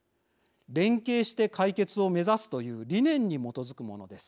連携して解決を目指すという理念に基づくものです。